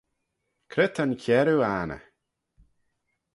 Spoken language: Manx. Cre ta'n chiarroo anney?